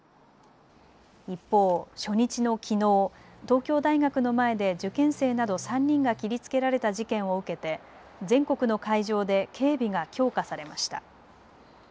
一方、初日のきのう東京大学の前で受験生など３人が切りつけられた事件を受けて全国の会場で警備が強化されました。